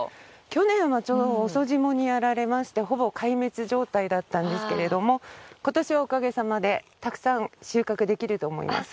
去年は遅霜にやられましてほぼ壊滅状態だったんですけどもことしは、おかげさまでたくさん収穫できると思います。